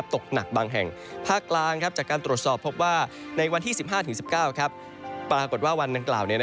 ตกหนักบางแห่งภาคกลางจากการตรวจสอบพบว่าในวันที่๑๕๑๙ปรากฏว่าวันดังกล่าว